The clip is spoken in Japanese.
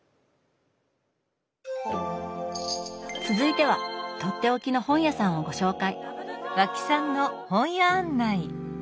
続いてはとっておきの本屋さんをご紹介。